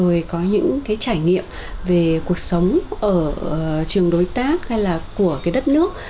rồi có những cái trải nghiệm về cuộc sống ở trường đối tác hay là của cái đất nước